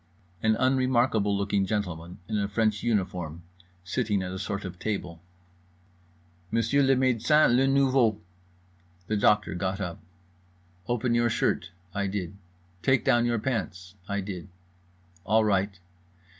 An unremarkable looking gentleman in a French uniform, sitting at a sort of table. "Monsieur le médecin, le nouveau." The doctor got up. "Open your shirt." I did. "Take down your pants." I did. "All right."